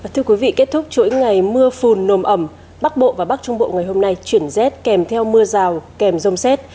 thưa quý vị kết thúc chuỗi ngày mưa phùn nồm ẩm bắc bộ và bắc trung bộ ngày hôm nay chuyển rét kèm theo mưa rào kèm dông xét